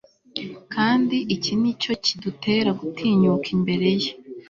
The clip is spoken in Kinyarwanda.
Kandi iki ni cyo kidutera gutinyuka imbere ye